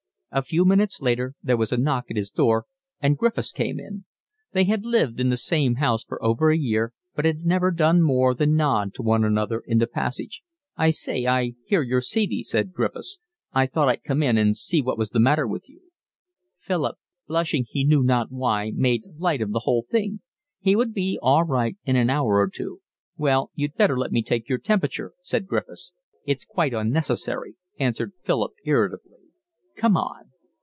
A few minutes later there was a knock at his door, and Griffiths came in. They had lived in the same house for over a year, but had never done more than nod to one another in the passage. "I say, I hear you're seedy," said Griffiths. "I thought I'd come in and see what was the matter with you." Philip, blushing he knew not why, made light of the whole thing. He would be all right in an hour or two. "Well, you'd better let me take your temperature," said Griffiths. "It's quite unnecessary," answered Philip irritably. "Come on."